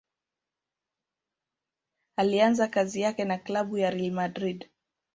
Alianza kazi yake na klabu ya Real Madrid.